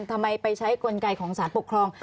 ทำไมไปใช้กลไกของสารปกครอง